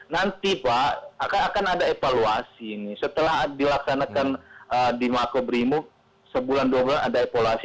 nanti pak akan ada evaluasi ini setelah dilaksanakan di makobrimo sebulan dua bulan ada evaluasi